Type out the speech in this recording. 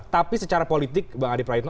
tapi secara politik bang hadi praitno